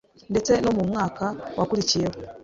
ndetse no mu mwaka wakurikiyeho